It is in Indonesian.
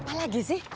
apa lagi sih